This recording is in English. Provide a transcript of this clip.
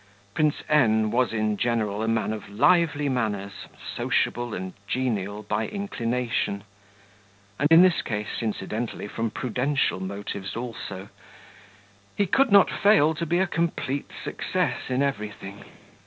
Prince N was in general a man of lively manners, sociable and genial by inclination, and in this case incidentally from prudential motives also; he could not fail to be a complete success in everything.